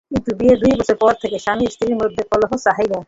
কিন্তু বিয়ের দুই বছর পর থেকে স্বামী স্ত্রীর মধ্যে কলহ চলছিল।